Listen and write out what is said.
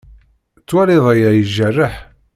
Ttwaliɣ aya ijerreḥ.